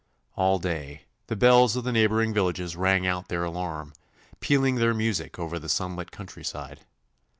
All day the bells of the neighbouring villages rang out their alarm, pealing their music over the sunlit countryside.